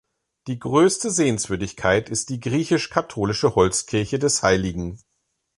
Die größte Sehenswürdigkeit ist die griechisch-katholische Holzkirche des Hl.